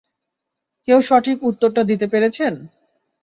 কেউ সঠিক উত্তরটা দিতে পেরেছেন?